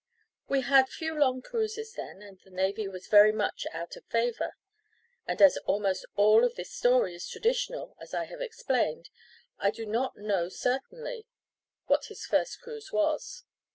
We had few long cruises then, and the navy was very much out of favour; and as almost all of this story is traditional, as I have explained, I do not know certainly what his first cruise was.